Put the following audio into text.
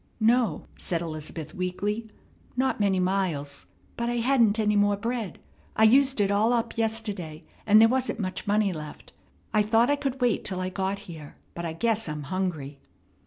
"No," said Elizabeth, weakly, "not many miles; but I hadn't any more bread. I used it all up yesterday, and there wasn't much money left. I thought I could wait till I got here, but I guess I'm hungry."